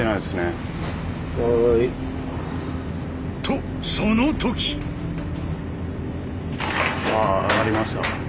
とその時！あっ上がりました。